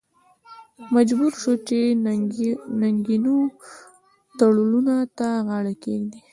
مجبور شو چې ننګینو تړونونو ته غاړه کېږدي.